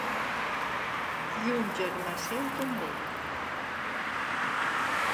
I un germà seu també.